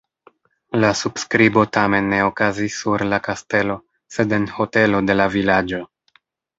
La subskribo tamen ne okazis sur la kastelo, sed en hotelo de la vilaĝo.